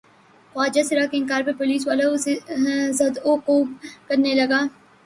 خواجہ سرا کے انکار پہ پولیس والا اسے زدوکوب کرنے لگا۔